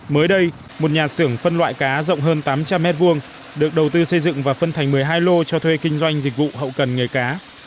mới đây một nhà xưởng phân loại cá rộng hơn tám trăm linh m hai được đầu tư xây dựng và phân thành một mươi hai lô cho thuê kinh doanh dịch vụ hậu cần nghề cá